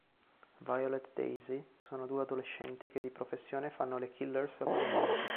Violet e Daisy sono due adolescenti che di professione fanno le killers a pagamento.